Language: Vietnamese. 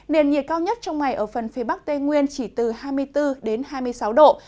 nền nhiệt cao nhất trong ngày ở phần phía bắc tây nguyên chỉ từ hai mươi bốn đến hai mươi sáu độ